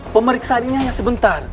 pemeriksaan ini hanya sebentar